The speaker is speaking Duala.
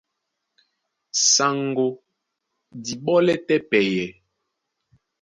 Saŋgó dí ɓɔ́lɛ́ tɛ́ pɛyɛ,